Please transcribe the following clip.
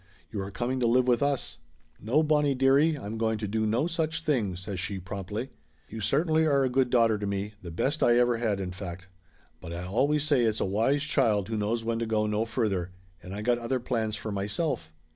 You are coming to live with us!" "No, Bonnie, dearie, I'm going to do no such thing!" says she promptly. "You certainly are a good daugh ter to me, the best I ever had, in fact. But I always say it's a wise child who knows when to go no further. And I got other plans for myself."